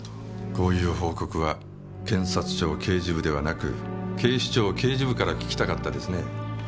こういう報告は検察庁刑事部ではなく警視庁刑事部から聞きたかったですねえ。